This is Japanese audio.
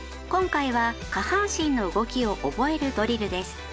今回は下半身の動きを覚えるドリルです。